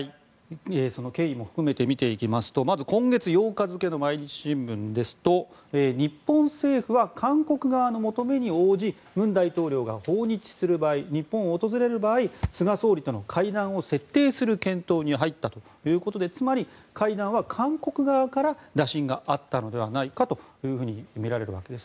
その経緯も含めて見ていきますとまず今月８日付の毎日新聞ですと日本政府は、韓国側の求めに応じ文大統領が訪日する場合日本を訪れる場合菅総理との会談を設定する検討に入ったということでつまり、会談は韓国側から打診があったのではないかとみられるわけです。